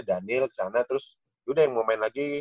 daniel kesana terus udah yang mau main lagi